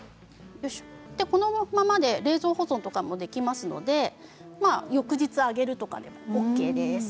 このままで冷蔵庫で保存もできますので翌日揚げるとかでもＯＫです。